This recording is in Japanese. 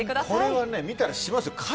これは見たら、しますよ。